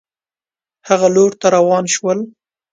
هغه لور ته روان شول.